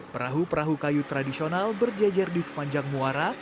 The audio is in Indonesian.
perahu perahu kayu tradisional berjejer di sepanjang muara